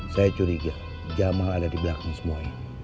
saya curiga jamal ada di belakang semua ini